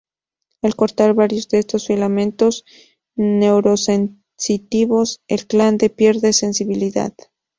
Al cortar varios de estos filamentos neuro-sensitivos, el glande pierde sensibilidad.